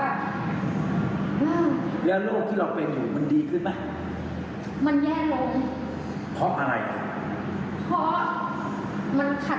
มันขัดกันความคิดว่าแบบว่าเราควรจะทำสิ่งไหนดีระหว่างความถูกก้องกับถูกใจ